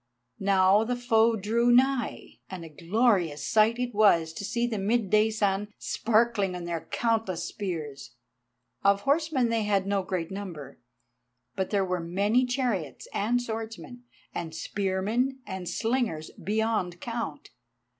Now the foe drew nigh, and a glorious sight it was to see the midday sun sparkling on their countless spears. Of horsemen they had no great number, but there were many chariots and swordsmen, and spearmen, and slingers beyond count.